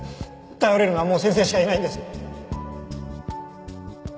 頼れるのはもう先生しかいないんです！